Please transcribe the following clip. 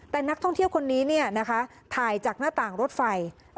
แต่นักท่องเที่ยวคนนี้ถ่ายจากหน้าต่างรถไฟ